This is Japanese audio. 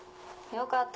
よかった。